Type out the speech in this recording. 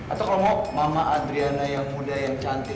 atau kalau mau mama adriana yang muda yang cantik